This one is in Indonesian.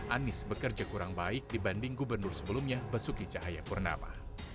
anies bekerja kurang baik dibanding gubernur sebelumnya besuki cahaya purnama